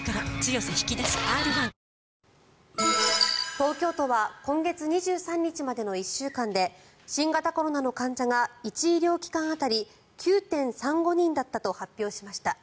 東京都は今月２３日までの１週間で新型コロナの患者が１医療機関当たり９．３５人だったと発表しました。